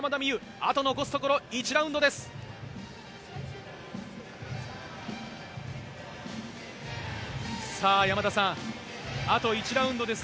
あと残すところ１ラウンドです。